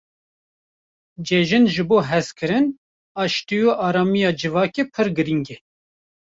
Cejin ji bo hezkirin, aştî û aramiya civakê pir girîng e.